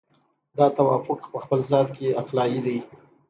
دا توافق په خپل ذات کې عقلایي دی.